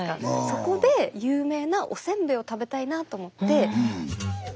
そこで有名なおせんべいを食べたいなと思って。